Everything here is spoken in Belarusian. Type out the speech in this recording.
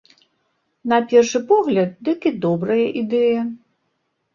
На першы погляд дык і добрая ідэя.